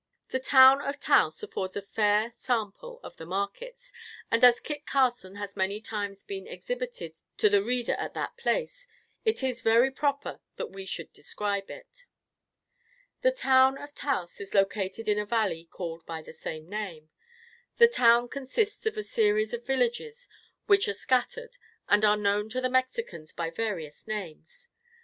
The town of Taos affords a fair sample of the markets, and as Kit Carson has many times been exhibited to the reader at that place, it is very proper that we should describe it. The town of Taos is located in a valley called by the same name. The town consists of a series of villages, which are scattered, and are known to the Mexicans by various names.